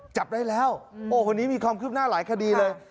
จับได้แล้วโอ้คนนี้มีความคืบหน้าหลายคดีเลย